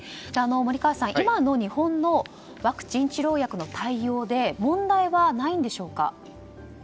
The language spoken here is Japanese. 森川さん、今の日本のワクチン治療薬の対応で問題はないんでしょうか。